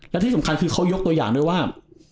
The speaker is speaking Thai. และที่สำคัญคือเขายกตัวอย่างด้วยว่า